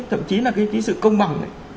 thậm chí là cái sự công bằng này